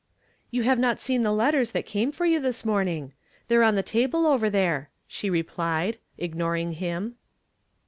"You have not seen the letters that came for you this morning. They're on the table over there," she replied, ignoring him.